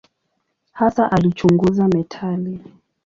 Hasa alichunguza metali.